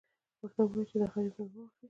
ورته ووایه چې دا غریب نور مه وهئ.